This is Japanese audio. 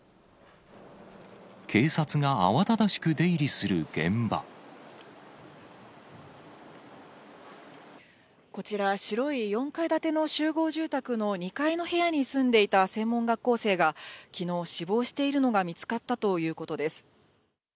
警察が慌ただしく出入りするこちら、白い４階建ての集合住宅の２階の部屋に住んでいた専門学校生が、きのう、死亡しているのが見つかったということです。